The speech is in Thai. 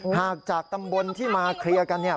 หากจากตำบลที่มาเคลียร์กันเนี่ย